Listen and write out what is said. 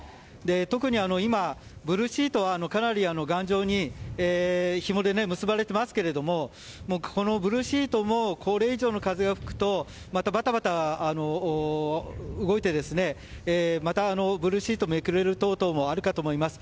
特に今、ブルーシートはかなり頑丈にひもで結ばれていますけれどもこのブルーシートもこれ以上の風が吹くとまたバタバタ動いてまたブルーシートめくれる等々もあると思います。